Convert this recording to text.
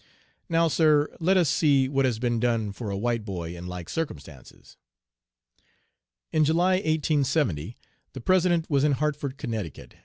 Now, sir, let us see what has 'been done for a white boy in like circumstances.' In July, 1870, the President was in Hartford, Ct.